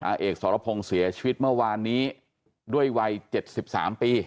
เอกสรพงศ์เสียชีวิตเมื่อวานนี้ด้วยวัย๗๓ปี